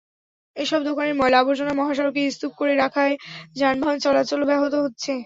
এসব দোকানের ময়লা-আবর্জনা মহাসড়কে স্তূপ করে রাখায় যানবাহন চলাচলও ব্যাহত হচ্ছে।